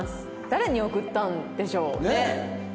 誰に送ったんでしょうね？